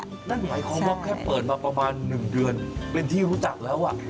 นั่นไหมเขามักแค่เปิดมาประมาณ๑เดือนเป็นที่รู้จักแล้วแหวะ